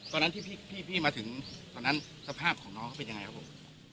ตอนนั้นที่พี่มาถึงตอนนั้นสภาพของน้องเขาเป็นยังไงครับผม